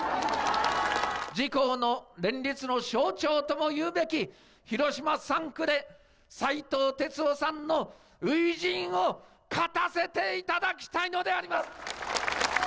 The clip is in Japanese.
自公の連立の象徴ともいうべき広島３区で、斉藤鉄夫さんの初陣を、勝たせていただきたいのであります。